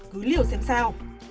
cứ liều xem sao